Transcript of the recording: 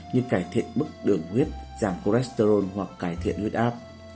như cải thiện mức đường huyết giảm cholesterol hoặc cải thiện huyết áp